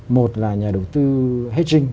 một là nhà đầu tư hedging